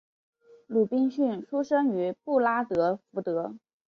鲁宾逊出生于布拉德福德。